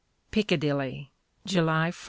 PICCADILLY, July 1.